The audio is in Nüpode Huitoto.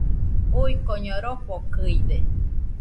Uiñoko rofokɨide